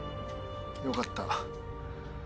よかった。